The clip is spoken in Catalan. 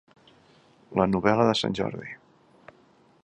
La novel·la de Sant Jordi.